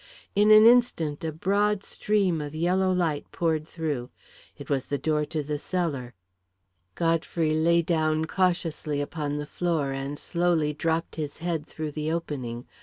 In an instant, a broad stream of yellow light poured through. It was the door to the cellar. Godfrey lay down cautiously upon the floor, and slowly dropped his head through the opening.